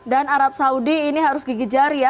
dan arab saudi ini harus gigi jari ya